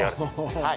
はい。